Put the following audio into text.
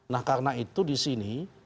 nah karena itu di sini